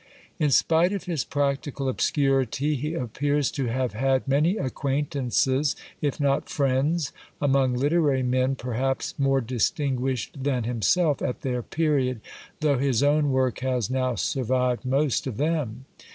In spite of his practical obscurity, he appears to have had many acquaintances, if not friends, among literary men perhaps more distinguished than himself at their period, i though his own work has now survived most of them.